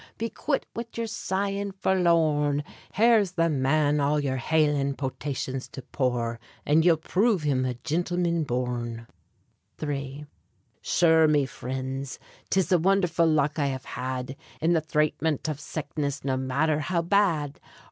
Be quit wid yer sighin' forlorn; Here's the man all yer haling potations to pour, And ye'll prove him a gintleman born III. Sure, me frinds, 'tis the wondherful luck I have had In the thratement av sickness no matther how bad.